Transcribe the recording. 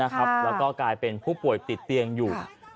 แล้วก็กลายเป็นผู้ป่วยติดเตียงอยู่